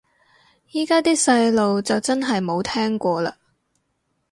依家啲細路就真係冇聽過嘞